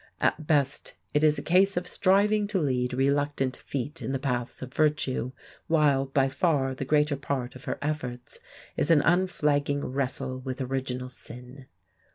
At best it is a case of striving to lead reluctant feet in the paths of virtue, while by far the greater part of her efforts is an unflagging wrestle with original sin.